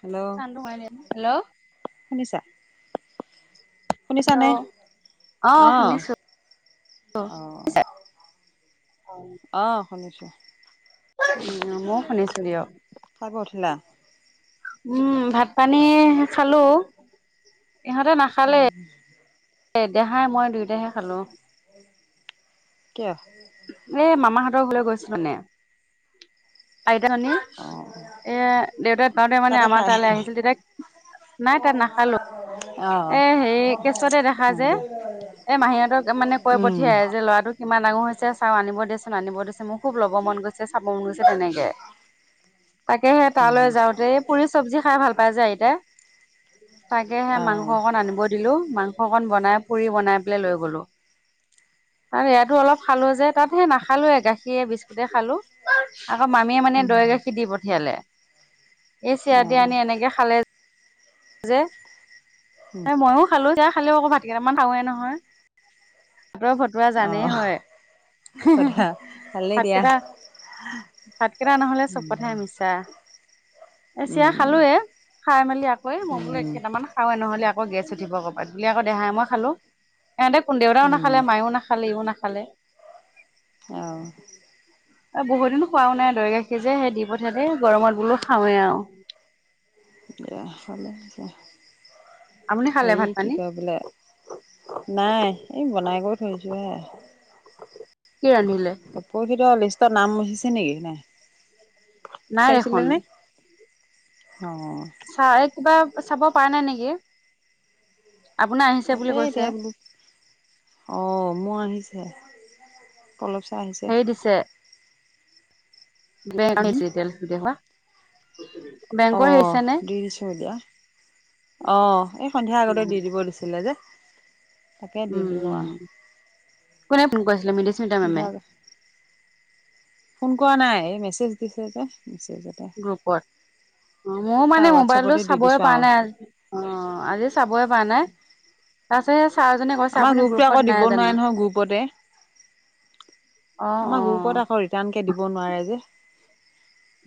Hello চাউণ্ডটো কমাই দি, হেল্ল'। শুনিছা শুনিছানে হেল্ল', অ', শুনিছো অ [unintelligible] [unintelligible] অ', শুনিছোঁ। অ', মইও শুনিছো দিয়ক। খাই বৈ উঠিলা? উম, ভাত পানী খালো। ইহঁতে নাখ অ'। এ, দেহাই মই দুয়োটাহে খালো। কিয়? এ মামাহতৰ ঘৰলে গৈছো মানে। আইতা জনী, অ এ, দেউতা ধুকাওঁতে মানে তাতে আমাৰ খাই তালে আহিছিল তেতিয়া নাই তাত নাখালো, অঁ এ, হেৰি কেচুৱাতে দেখা যে। উম এই, মাহীহঁতক মানে কৈ উম পঠিয়াই যে, ল'ৰাটো কিমান ডাঙৰ হৈছ যে চাও, আনিব দেচোন, আনিব দেচোন, মোৰ খুব ল'ব মন গৈছে, চাব মন গৈছে, তেনেকে। তাকেহে তালৈ যাওঁতে, এ, পুৰি চব্জি খাই ভাল পাই যে আইতাই। তাকে হে অ মাংস অকণ আনিব দিলো, মাং সকন বনাই পুৰি বনাই, পেলাই লৈ গ'লো কাৰণ ইয়াতো অলপ খালো যে তাত হে নাখালো এ, গাখীৰে বিস্কুটে খালো। আকৌ মামীয়ে মানে দৈ গাখীৰ দি পঠিয়ালে, এই চিৰা অ তিৰা আনি এনেকে খালে। যে, ময়ো খালো, সেয়াই খালে, আকৌ ভাত কেইটামান খাৱে নহয়। ভাতৰ ভটুৱা অ জানেই হয়, সোধা ভালেই দিয়া ভাতকেইটা ভাতকেইটা নহলে চব উম কথাই মিছা। এ চিৰা উম খালোয়ে, খাই মেলি আকৌ মই বোলো এই কেইটা মান খাও এ নহলে আকৌ গেছ উঠিব আকৌ পাই, বুলি, আকৌ দেহাই মই খালো। ইহঁতে কোন দেউতাই ও উম নাখালে মাই ও নাখালে ইও নাখালে। অ' আৰু বহু দিন খোৱাও নাই দৈ গাখীৰ যে সেই দি পঠালে এই গৰমত বোলো খাওঁ এ আৰু দিয়া ভালে হৈছে আপুনি খালে ভাত হেৰি কি পানী? কয় বোলে নাই এই বনাই কৰি থৈছোহে কি ৰান্ধিলে বাপ পোৰহিতৰ লিষ্টত নাম আহিছে নিকি নাই নাই দেখোন। চাইছিলে নে অ চাই কিবা চাব পৰা নাই নিকি আপোনাৰ আহি তাকেই এতিয়া বোলো অ মোৰ আহিছে পলপ চা আহিছে হেৰি দিছে উম [unintelligible] অ আহিছে নে? দি দিছো এতিয়া অ এই সন্ধিয়া আগতে দি দিব দিছে দিলে যে তাকে দি দিলো উম আৰু কোনে ফোন কৰিছিলে মৃদুস্মিতা মেমে সন্ধিয়া ফোন কৰা নাই এই মেছেজ দিছে যে মেছেজত গ্ৰুপত অ মোৰ তাৰ মানে মোবাইলটো হোৱাটছএপতে দি দিছো চাবই পৰা আৰু নাই আজি অ আজি চাবই পৰা নাই তাৰ পিছত সেই ছাৰজনে কৈছে আমাৰ আপুনি গ্ৰুপটো আকৌ গ্ৰুপত দিব নাই নোৱাৰে জানো নহয় গ্ৰুপতে অ' আমাৰ অ' গ্ৰুপত আকৌ ৰিটাৰ্ণকে দিব নোৱাৰে যে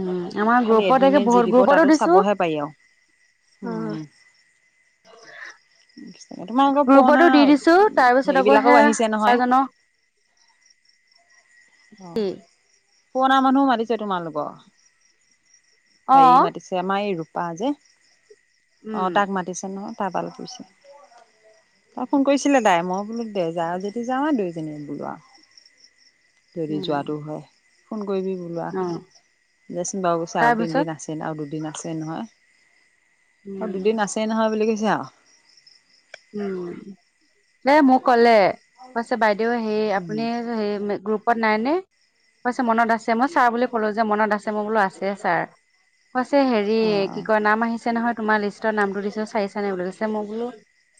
উম আমাৰ খালি গ্ৰুপত একে এডমিনে যি বহুত দিব গ্ৰুপতো তাতো দিছো চাবহে পাৰি আৰু উম [unintelligible] তোমালোকৰ পুৰণা গ্ৰুপতো দি দিছো তাৰ পিছত আকৌ হেৰিবিলাকো সেয়া আহিছে নহয় চাৰজনক অ কি পুৰণা মানুহো মাতিছে তোমালোকৰ অ হেৰি মাতিছে আমাৰ এই ৰূপা যে অ উম তাক মাতিছে নহয় টা ভাল কৰিছিল তাই ফোন কৰিছিলে তাই মই বোলো দে যা যদি যাওঁ আহ দুইজনীয়ে বোলো আৰু যদি উম যোৱাটো হয় ফোন কৰিবি বোলো অ আউ দেচোন বাৰু চাও তাৰপিছত তিনিদিন আছে। দিন আৰু দুদিন আছে নহয় আৰু দুদিন উম আছেই নহয় বুলি কৈছে আউ উম দে মোক কলে কৈছে বাইদেউ সেই উম আপুনি সেই গ্ৰুপ গ্ৰুপত নাই নে কৈছে মনত আছে মই ছাৰ বুলি ক'লো যে মনত আছে মই বোলো আছে ছাৰ কৈছে হেৰি অ কি কয় নাম আহিছে নহয় তোমাৰ লিষ্টৰ নামটো দিছে চাইচানে বুলি কৈছে মই বোলো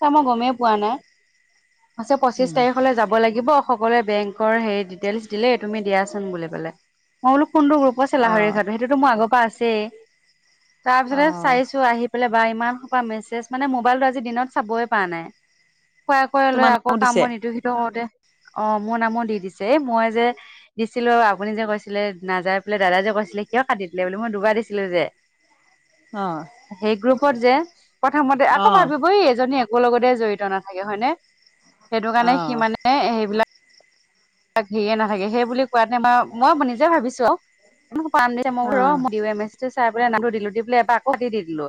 ছাৰ মই গমেই পোৱা নাই, কৈছে পঁচিশ উম তাৰিখলে যাব লাগিব। সকলোৱে বেংকৰ হেৰি ডিটেইলচ দিলে, ই তুমি দিয়াচোন বুলি কলে মই বোলো কোনটো গ্ৰুপ কৈছে অ লাহৰি ঘাট সেইটোতো মোৰ আগৰ পৰা আছেই। তাৰ অ পিছতে চাইছো আহি পেলাই বা ইমান সোপা মেছেজ, মানে মোবাইলটো আজি দিনত চাবই পৰা নাই, শুৱাই কোৱাই তোমাৰ লৈ নামো কাম দিছে বন ইটো-সিটো কৰোতে অ মোৰ নামো দি দিছে মই যে দিছিলো আপুনি যে কৈছিলে নাযাই পেলাই দাদা যে কৈছিলে কিয় কাটি দিলে বো মই দুবাৰ দিছিলো যে অ সেই গ্ৰুপত যে প্ৰথমতে অ আকৌ ভাবিব এই এজনী একো লগতে জড়িত নাথাকে হয়নে সেইটো কাৰণে অ সি মানে হেইবিলাক তাক হেৰিয়ে নাথাকে সেই বুলি কোৱাতে মই-মই নিজে ভাবিছো আও পাম দি মই অ বোলো ৰ' মই দিওঁয়ে মেছেজটো চাই পেলাই নামটো দিলো দি পেলাই এবাৰ আকৌ কাটি দিলো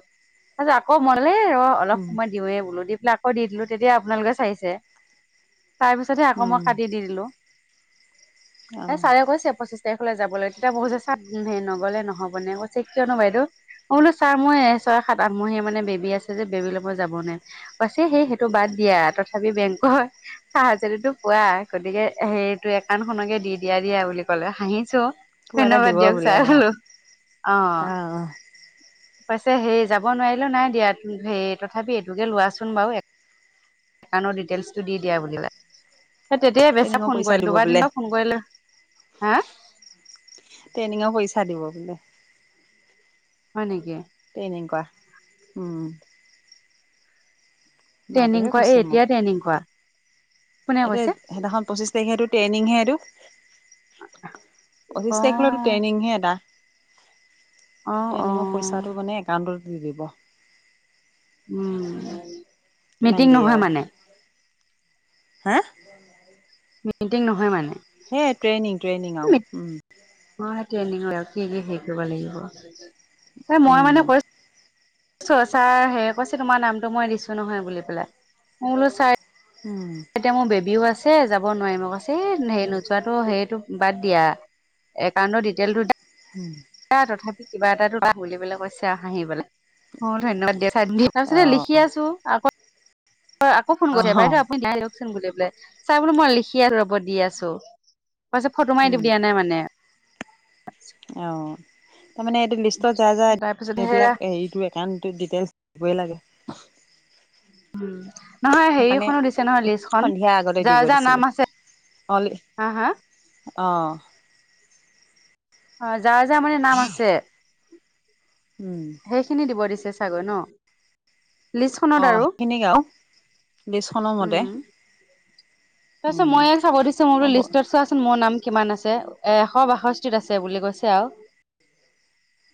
তাৰপিছ আকৌ মই বোলো ৰ অলপ উম সময় দিওঁৱে বোলো দি পেলাই আক দি দিলো তেতিয়া আপোনালোকে চাইছে তাৰ পিছতহে আকৌ মই উম কাটি দি দিলো অ এ ছাৰে কৈছে পঁচিছ তাৰিখলৈ যাবলৈ তেতিয়া বহু যে চাত হে নগ'লে নহ'বনে, কৈছে কিয়নো বাইদউ? মই বোলো ছাৰ মই ছয় সাত আঠমহীয়া মানে বেবী আছে যে বেবীলৈ মই যাব নোৱাৰিম কৈছে সেই সেইটো বাদ দিয়া, তথাপি বেংকৰ পাৰ্চেল টো পোৱা গতিকে সেইটো একাউণ্ট খনকে দি দিয়া, দিয়া বুলি ক'লে হাঁহিছো। কিবা এটা ধন্যবাদ দিব দিয়ক বোলে ছাৰ, অ অ হলো অ'। পাইছে হেই যাব নোৱাৰিলো নাই দিয়া হে তথাপি এইটোকে লোৱাচোন বাৰু একাউণ্টৰ ডিটেইলছটো দি দিয়া বুলি ক'লে তেতিয়াই বেচা ট্ৰেইনিঙৰ ফোন পইচা কৰিল দিব দুবাৰ বোলে তিনিবাৰ ফোন কৰিলো হা ট্ৰেইনিঙৰ পইচা দিব বোলে। হয় নেকি। ট্ৰেইনিং কৰা, উম। ট্ৰেইনিং মাটোহে কোৱা এই কৈছে এতিয়াই ট্ৰেইনিং কোৱা। এইটো সেইদিনাখন পঁচিশ তাৰিখে এইটো ট্ৰেইনিংহে এইটো। পঁচিছ অ তাৰিখলৈতো ট্ৰেইনিংহে এটা। অ অ ট্ৰেইনিংৰ পইচাটো মানে একাউণ্টত দি দিব। উম। কিমান মিটিং দিয়ে নহয় আৰু মানে হা। মিটিং নহয় মানে। হেই ট্ৰেইনিং, ট্ৰেইনিং অ', উম। অ', হেই ট্ৰেনিং আৰু কি, কি হেৰি কৰিব লাগিব মই উম, মানে কৰি ছাৰ হেয় কৈছে তোমাৰ নামটো মই দিছোঁ নহয় বুলি পেলাই, মই বোলো ছা উম। এতিয়া মোৰ বেবীও আছে যাব নোৱাৰি মোক কৈছে এই হেৰি নোযোৱাতো সেইটো বাদ দিয়া। একাউণ্টৰ ডিটেইলটো হুম। এ তথাপি কিবা এটাতো বুলিবলৈ কৈছে আৰু হাঁহি পেলাই। মই ধন্যবাদ দিয়া তাৰপিছত অ', লিখি আছোঁ আকৌ আকৌ ফোন কৰিছে অ', বাইদেউ আপুনি নাই লওঁক চোন বুলি পেলাই ছাৰ বোলে মই লিখি আৰু ৰ'ব দি আছোঁ তাৰপিছত ফটো মাৰি দি উম, দিয়া নাই মানে [inaudible] অ', তাৰমানে এইটো লিষ্টত যাৰ, যাৰ তাৰপিছত সেয়া ইেইবিলাক হেৰিটোৱে কাৰণটো ডিটেইলচ দিবই লাগে উম। নহয় সেইকাৰণে হেৰিখনো দিছে নহয় লিষ্টখন, সন্ধিয়াৰ আগতে দিব যাৰ, যাৰ দিছিলে। নাম আছে অ', হা, হা অ'। অ', যাৰ, যাৰ মানে নাম আছে। উম। সেইখিনি দিব দিছে চাগৈ ন। লিষ্ট খনত অ', আৰু, সেইখিনিকে আৰু লিষ্টখনৰ মতে উম। তাৰ পিছত উম, মই চাব দিছোঁ মো বোলো হ'ব লিষ্টত চোৱাচোন মোৰ নাম কিমান আছে এ এশ বাষষ্ঠিত আছে বুলি কৈছে আও।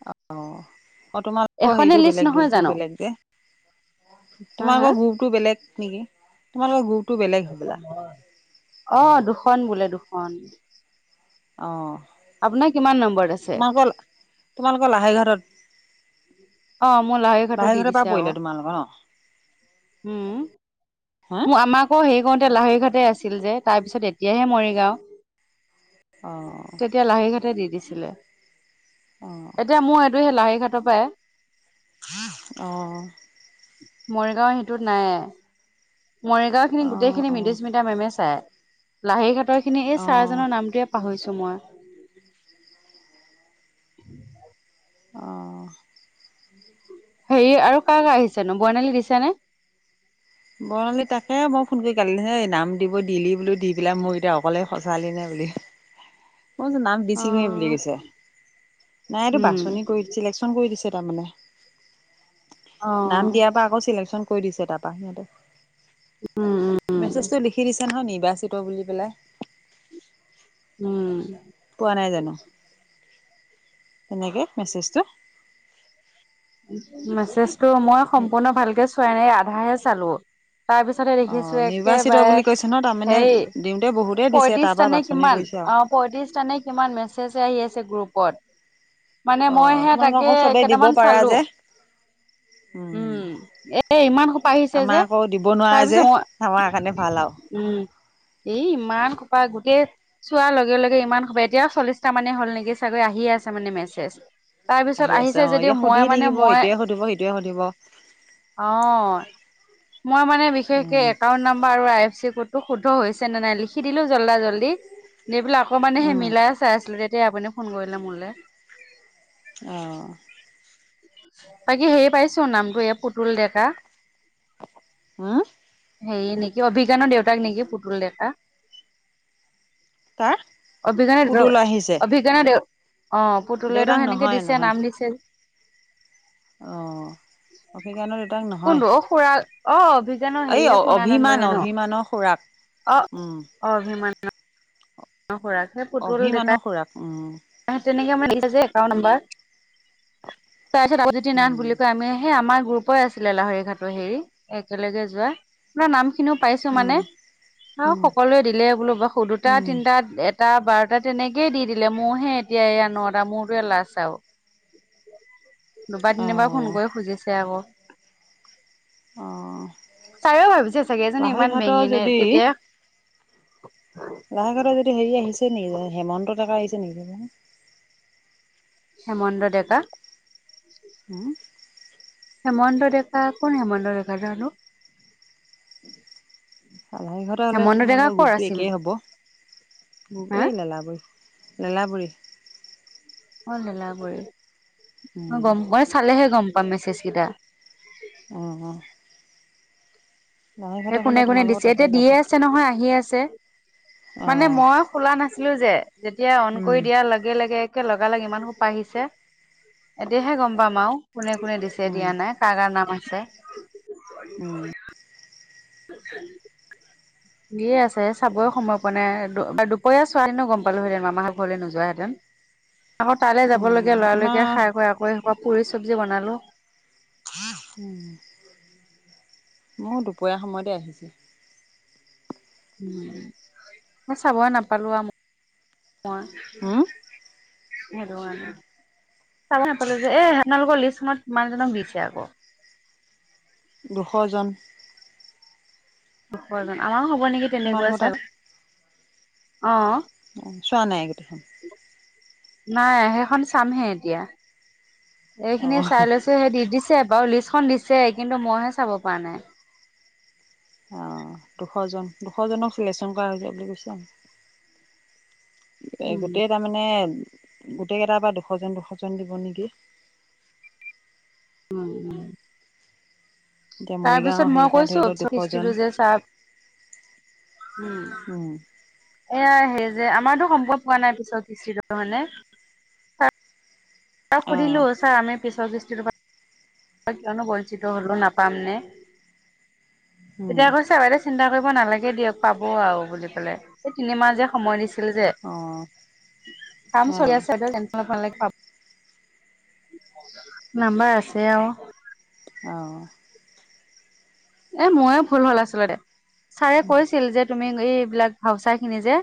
অ', অ', তোমালোকৰ এখনে সেইটো লিষ্ট বেলেগ নহয় গ্ৰুপটো জানো বেলেগ যে। হা হা তোমালোক গ্ৰুপতটো বেলেগ নেকি? তোমালোকৰ গ্ৰুপটো বেলেগ। হ'বলা অ', দুখন বোলে, দুখন। অ'। আপোনাৰ কিমান নম্বৰত আছে? তোমালোকৰ তোমালোকৰ লাহৰি ঘাতত অ', মোৰ লাহৰি ঘাটত দি ঘাটৰ পৰা দিছে পৰিলে আকৌ। তোমালোকৰ ন উম, হা মো আমাক অ', হেৰি কৰোতে লাহৰি ঘাটে আছিল যে, তাৰ পিছত এতিয়াহে মৰিগাও। অ', তেতিয়া লাহৰি ঘাটে দি দিছিলে। অ'। এতিয়া মোৰ এইটো সেই লাহৰি ঘাটৰ পৰাই। অ'। মৰিগাঁৱৰ সেইটোত নাই। মৰিগাঁও খিনি গোটেইখিনি অ', মিদুস্মিতা মেমে চাই। লাহৰি ঘাটৰ খিনি এই অ'। অ', ছাৰজনৰ নামটোৱে পাহৰিছোঁ মই। অ'। হেৰি আৰু কাৰ, কাৰ আহিছে নু, বৰ্ণালী দিছে নে? বৰ্ণালী তাকে মই ফোন কৰি গালি দিলে হে নাম দিব দিলি বো দি পেলাই মোৰ অ কলে সজালি নে বুলি। মই গৈছোঁ নাম দিছিলোহে বুলি অ' কৈছে। নাই এইটো উম, বাছনি কৰি চিলেকশচন কৰি দিছে তাৰমানে। অ' নাম দিয়াৰ পৰা আকৌ চিলেকচন কৰি দিছে তাত। [unintelligible] উম। উম, উম, মেছেজটো লিখি দিছে নহয়, নিৰ্বাচিত বুলি পেলাই। উম। পোৱা নাই জানো, এনেকে মেছেজটো? মেছেজটো মই সম্পূৰ্ণ ভালকে চোৱাই নাই, আধাহে চালো। তাৰ পিছতে হে অ দেখিছো নিৰ্বাচিত বুলি কৈছে ন একেবাৰে তাৰমানে হেৰি দিওঁতে বহুতেই দিছে তাৰ পৰা পয়ত্ৰিছতা নে বাছনি কিমান, কৰিছে আৰু অ'। পয়ত্ৰিছ না কিমান মেছেজ আহি আছে গ্ৰুপত। মানে অ মই সেয়া তোমালোকে তাকে আকৌ কেইটামান চালো [unintelligible] উম, এ ইমান সোপা আহিছে আমাৰ যে আকৌ দিব নোৱাৰা যে তাৰপিছত মই আমাৰ কাৰণে ভাল আৰু উম, এই ইমান খোপা গোটেই চোৱাৰ লগে লগে ইমান সোপা, এতিয়াও চল্লিশটা মানে হ'ল নেকি চাগৈ আহিয়ে আছে মানে মেছেজ। তাৰপিছত আহি আছে আহিছে অ যে এতিয়া সুধি থাকিব ইটোৱে সুধিব, সিটোৱে সুধিব। অ', মই মানে বিশেষকে উম একাউন্ট নাম্বাৰ আৰু আই এফ চি কত তো শুদ্ধ হৈছে নে নাই লিখি দিলো জল্দা জল্দি, দি পেলাই আকৌ মানে সেই উম মিলাই চাই আছিলে আপুনি ফোন কৰিলে মোলে। অ'। বাকী হেৰি পাইছ নামটো এই পুতুল ডেকা? হম? হেৰি নেকি অভিজ্ঞানৰ দেউতাক নেকি পুতুল ডেকা। তাৰ অভিজ্ঞান- পুতুল আহিছে অভিজ্ঞানৰ দেউ অ'। পুতুলেটো দেউতাক সেনেকে নহয় দিছে, নহয় নাম দিছে। অ'। অভিজ্ঞানৰ দেউতাক নহয়। কোনটো অ খুৰা অ অভিজ্ঞানৰ এই হেৰিহে অভিমান পুৰ্ণানন্দহে ন অভিমানৰ খুৰাক অ, উম অ, অভিমানৰ খুৰাক, সেই, পুতুল অভিমানৰ ডেকাই খুৰাক উম, তেনেকে মানে দিছে যে, একাউণ্ট নাম্বাৰ তাৰপাছত মুক্তি নাথ উম বুলি কয়, আমি সেই আমাৰ গ্ৰুপই আছিলে লাহৰি ঘাটৰ হেৰি একেলগে যোৱা। আপোনাৰ নাম খিনিও পাইছোঁ মানে আৰু উম উম সকলোৱে দিলে বোলো দুটা, উম তিনিটা টা, বাৰটা তেনেকে দি দিলে মোৰ হে, এতিয়া এয়া ন, এটা মোৰতোৰে লাষ্ট আৰু। দুবাৰ, তিনিবাৰ ফোন অ' কৰি খুজিছে আকৌ। অ' ছাৰেও, ভাবিছে চাগে এজনী লাহৰি ইমান ঘাটৰ বেঙিনে যদি তেতিয়া লাহৰি ঘাটৰ যদি হেৰি আহিছে নেকি, হেমন্ত ডেকা আহিছে নেকি? হেমন্ত ডেকা? উম, হেমন্ত ডেকা, কোন হেমন্ত ডেকা জানো? লাহৰি ঘাটৰ হ'লে হেমন্ত ডেকা তোমালোকৰ ক'ৰ গ্ৰুপটো আছিল? একেই হ'ব হা এই, লেলাবৰি, লেলাবৰি অ, লেলাবৰি উম গম প, চালেহে গম পাম মেছেজ কেইটা। অ, অ, লাহৰি সেই ঘাটৰ কোনে, হ'লে কোনে তোমালোকৰ দিছে তাতে এতিয়া যাব দিয়ে আছে নহয়, আহিয়ে আছে, মানে অ' মই খোলা নাছিলো যে, যেতিয়া অন উম কৰি দিয়াৰ লগে, লগে লগালগে ইমান সোপা, আহিছে এতিয়াহে গম পাম আৰু কোনে কোনে দিছে উম দিয়া নাই? কাৰ, কাৰ, নাম আছে। উম, দিয়ে আছ, চাবই সময় পোৱা নাই দু কৈ আছোঁ আৰু এনেও গম পালোঁহেতেন মামা ঘৰলৈ নোহোৱাহেঁতেন। আকৌ তালৈ যাব উম লগীয়া লৰালৰিকে, আমাৰ খাই কৈ, আকৌ এই পুৰি চব্জি বনালোঁ। উম, দুপৰীয়া সময়তে আহিছে। চাবই নাপালোঁ, আৰু মই। উম সেইটো কাৰণে চাব নাপালোঁ, যে এই আপোনালোকৰ লিষ্টখনত মানুহজনক দিছে আকৌ? দুশজন। দুশজন, আমাৰো হ'ব নেকি তেনেকুৱা তোমালোকৰ তাত চাগৈ। অ, অ, চোৱা নাই গোটেইখিনি। নাই সেইখন, চামহে এতিয়া। এইখিনি অ' চাই লৈছোঁ, সেই দি দিছে বাৰু লিষ্টখন দিছে কিন্তু মই হে চাব পৰা নাই। অ, দুশ জন, দুশ জনক চিলেকশ্যন কৰা হৈছে, বুলি কৈছিলে। এই, উম গোটেই তাৰ মানে গোটেই কেইটাৰ পৰা দুশ জন, দুশ জন, দিব নেকি? উম, উম, এতিয়া তাৰপিছত মৰিগাঁও হেৰি মই পৰা ধৰি কৈছোঁ, লওক পিছৰ দুশজন কৃষ্টিটো যে, ছাৰ- উম, এয়াই সেই যে, আমাৰতো সম্ভব পোৱা নাই, পিছৰ কৃষ্টিটো মানে। তাত অ সুধিলো ছাৰ আমি পিছৰ কৃষ্টিটো পৰা, কিয়নো বঞ্চিত হ'লো নাপাম নে? উম তেতিয়া কৈছে, বাইদেউ চিন্তা কৰিব নালাগে দিয়ক, পাব আৰু বুলি ক'লে এই তিনিমাহ যে সময় দিছে। যে, অ কাম অ চলি আছে, টেনচন ল'ব নালাগে। নাম্বাৰ আছে আৰু। অঁ' এ মোয়ে ভুল হ'ল আচলতে, ছাৰে কৈছিল যে তুমি এইবিলাক ভাওচাৰ খিনি যে-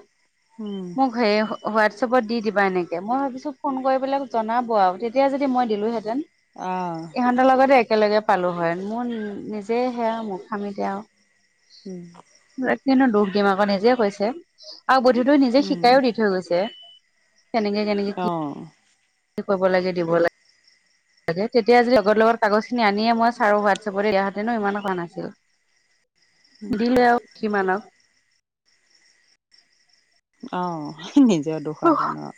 উম মোক ঘেই অহ- হোৱাটছএপত দি দিবা এনেকে, মই ভাবিছোঁ ফোন কৰি পেলায় জনাব আও, তেতিয়া যদি মই দিলোহেঁতেন। অঁ' তাৰ লগতে একেলগে পালো হয়, মোৰ নিজে সেয়া মূৰ্খামিতে আও। উম' এ কিনো দুখ দিম আকৌ নিজে কৈছে আৰু বুদ্ধিতো নিজে উম শিকাইও দি- থৈ গৈছে, কেনেকে- কেনেকে কি অঁ' কৰিব লাগে দিব লাগে। তাকে, তেতিয়া যদি লগত লগত কাগজ খিনি আনিয়ে মই চাৰৰ হোৱাটছএপত দিয়া হেঁতেনো ইমানো বেয়া নাছিল। [inaudible] সুধিলেও আৰু কিমান আও। অঁ' নিজৰ দুখ আক ন।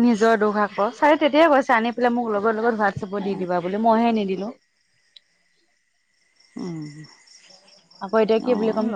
নিজৰ দুখ আক, চাৰে তেতিয়াই কৈছে আনি পেলাই মোক লগত লগত হোৱাটছএপত দি দিবা বুলি। মইহে নিদিলো। উম' আকৌ এতিয়া কি বুলি অ কম?